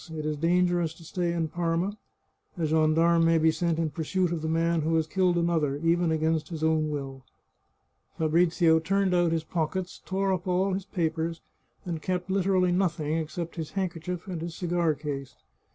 It is dangerous to stay in Parma. A gendarme may be sent in pursuit of the man who has killed another, even against his own will." Fabrizio turned out his pockets, tore up all his papers, and kept literally nothing except his handkerchief and his cigar case.